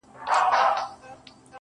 عقیدې يې دي سپېڅلي، شرابونه په لیلام دي~